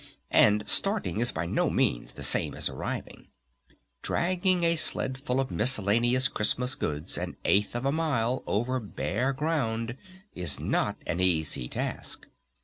And "starting" is by no means the same as arriving. Dragging a sledful of miscellaneous Christmas goods an eighth of a mile over bare ground is not an easy task.